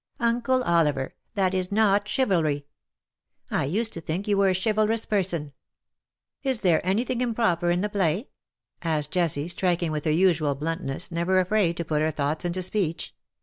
Uncle Oliver, that is not chivalry. I used to think you were a chivalrous person." " Is there anything improper in the play ?'' asked Jessie, striking in with her usual bluntness — never afraid to put her thoughts into speech.